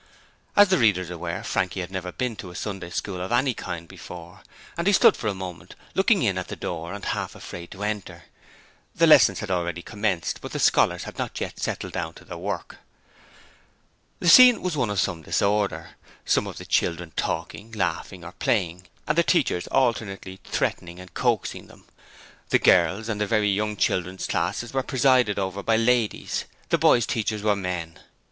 As the reader is aware, Frankie had never been to a Sunday School of any kind before, and he stood for a moment looking in at the door and half afraid to enter. The lessons had already commenced, but the scholars had not yet settled down to work. The scene was one of some disorder: some of the children talking, laughing or playing, and the teachers alternately threatening and coaxing them. The girls' and the very young children's classes were presided over by ladies: the boys' teachers were men.